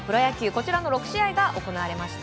こちらの６試合が行われました。